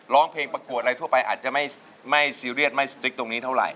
ร้องเพลงประกวดอะไรทั่วไปอาจจะไม่ซีเรียสไม่สติ๊กตรงนี้เท่าไห